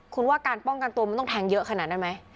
คุณว่าการป้องกันตัวมันต้องแทงเยอะขนาดนั้นไหม